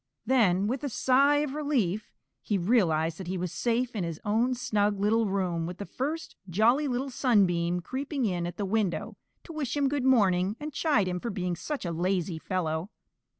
Then with a sigh of relief he realized that he was safe in his own snug little room with the first Jolly Little Sunbeam creeping in at the window to wish him good morning and chide him for being such a lazy fellow.